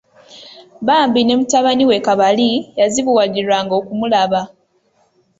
Bambi ne mutabani we Kabali yazibuwalirwanga okumulaba.